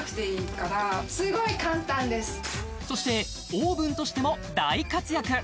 そしてオーブンとしても大活躍